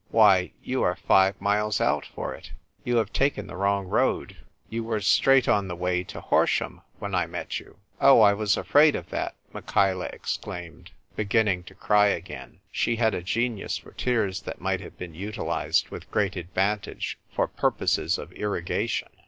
"Why, you are five miles out for it ! You have taken the wrong road. You were straight on the way to Horsham when I met you." "Oh, I was afraid of that," Michaela ex claimed, beginning to cry again ; she had a genius for tears that might have been utilised with advantage for purposes of irrigation.